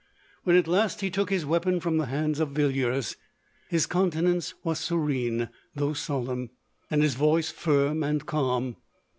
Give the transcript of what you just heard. When at last he took his weapon from the hand of Villiers, his coun tenance was serene, though solemn ; ami his voice firm and calm.